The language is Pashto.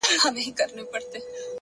د شپې تیاره د شیانو شکل بدلوي!